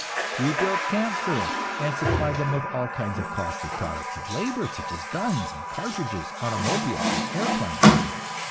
We built camps for them, and supplied them with all kinds of costly products of labor, such as guns and cartridges, automobiles and airplanes.